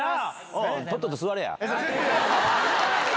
とっとと座れや。